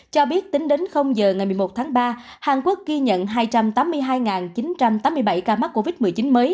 cho biết tính đến giờ ngày một mươi một tháng ba hàn quốc ghi nhận hai trăm tám mươi hai chín trăm tám mươi bảy ca mắc covid một mươi chín mới